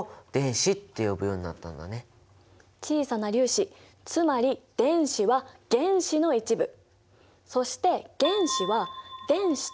そして小さな粒子つまり電子は原子の一部。